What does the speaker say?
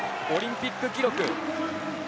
オリンピック記録。